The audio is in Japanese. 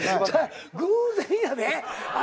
偶然やで。